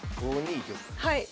はい。